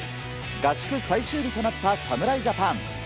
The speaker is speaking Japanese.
合宿最終日となった侍ジャパン。